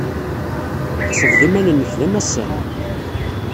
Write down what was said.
Tḥesbeḍ iman-nnek d amassan.